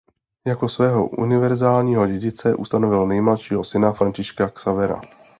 Jako svého univerzálního dědice ustanovil nejmladšího syna Františka Xavera.